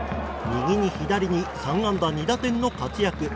右に、左に３安打２打点の活躍。